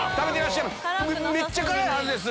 めっちゃ辛いはずです。